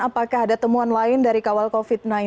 apakah ada temuan lain dari kawal covid sembilan belas